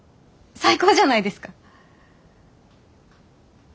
最高じゃないですか？